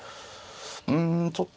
うんちょっと。